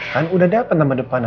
kan udah dapat nama depannya